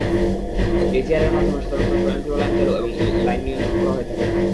এসিআরের মাধ্যমে সাধারণত স্বয়ংক্রিয় লাইন চালু এবং লাইন নিয়ন্ত্রণ করা হয়ে থাকে।